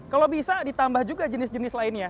kalau bisa ditambah juga jenis jenis lainnya